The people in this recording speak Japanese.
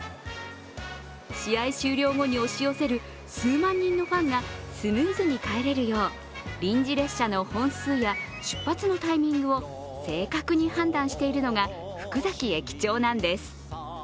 試合終了後に押し寄せる数万人のファンがスムーズに帰れるよう臨時列車の本数や出発のタイミングを正確に判断しているのが福崎駅長なんです。